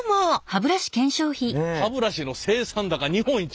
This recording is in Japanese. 「歯ブラシの生産高日本一」。